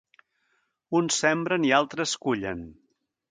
Uns sembren i altres cullen.